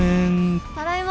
「ただいま」